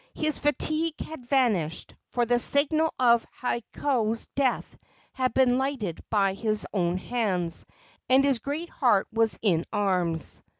His fatigue had vanished, for the signal of Hakau's death had been lighted by his own hands, and his great heart was in arms.